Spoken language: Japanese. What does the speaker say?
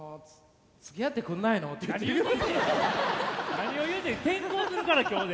何を言うて転校するから今日で。